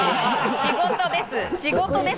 仕事です。